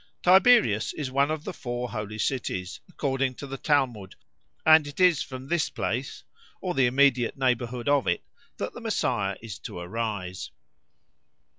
Tiberias is one of the four holy cities, according to the Talmud, and it is from this place, or the immediate neighbourhood of it, that the Messiah is to arise.